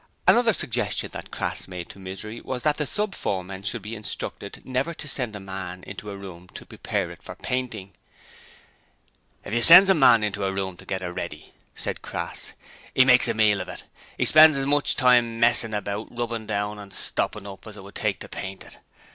Another suggestion that Crass made to Misery was that the sub foremen should be instructed never to send a man into a room to prepare it for painting. 'If you sends a man into a room to get it ready,' said Crass, ''e makes a meal of it! 'E spends as much time messin' about rubbin' down and stoppin' up as it would take to paint it.